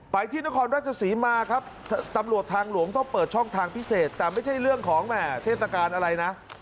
ที่นครราชศรีมาครับตำรวจทางหลวงต้องเปิดช่องทางพิเศษแต่ไม่ใช่เรื่องของแหม่เทศกาลอะไรนะ